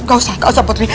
gak usah gak usah putri